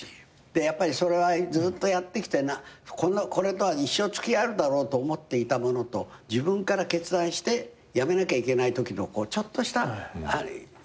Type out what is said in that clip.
やっぱりそれはずっとやってきてこれとは一生付き合えるだろうと思っていたものと自分から決断してやめなきゃいけないときのちょっとしたさみしさ？